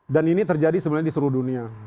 dan ini terjadi sebenarnya di seluruh dunia